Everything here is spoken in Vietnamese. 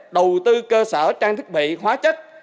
đầu tư cơ sở trang thức bị hóa chất